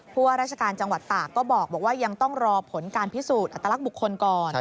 ว่าราชการจังหวัดตากก็บอกว่ายังต้องรอผลการพิสูจน์อัตลักษณ์บุคคลก่อน